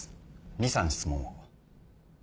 ２３質問を。